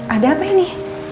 ada apa ini